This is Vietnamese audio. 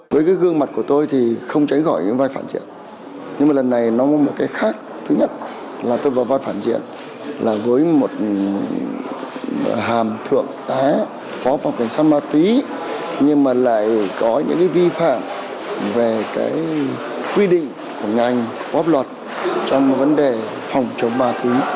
phó phòng cảnh sát ma túy nhưng mà lại có những vi phạm về quy định của ngành pháp luật trong vấn đề phòng chống ma túy